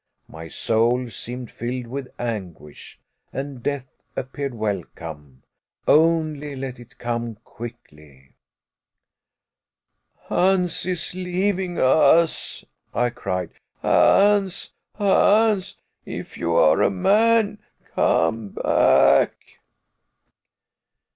My soul seemed filled with anguish, and death appeared welcome, only let it come quickly. "Hans is leaving us," I cried. "Hans Hans, if you are a man, come back."